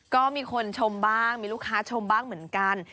ก็มีคนชมบ้างมีลูกค้าชมบ้างเหมือนกัน